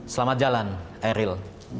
selamat jalan eril